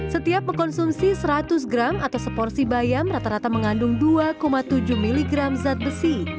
setiap mengkonsumsi seratus gram atau seporsi bayam rata rata mengandung dua tujuh miligram zat besi